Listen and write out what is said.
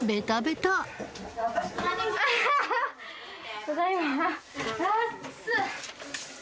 ただいま。